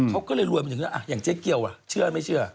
เขาก็เลยรวยมาถึงแล้วอย่างเจ๊เกียวเชื่อไม่เชื่อ